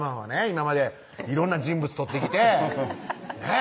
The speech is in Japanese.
今まで色んな人物撮ってきてねぇ